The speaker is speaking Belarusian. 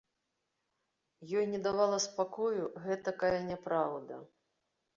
Ёй не давала спакою гэтакая няпраўда.